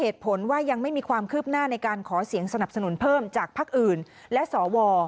ต้องการขอเสียงสนับสนุนเพิ่มจากพักอื่นและสว